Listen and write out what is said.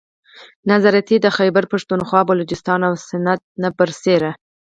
نا رضایتي د خیبر پښتونخواه، بلوچستان او سند نه بر سیره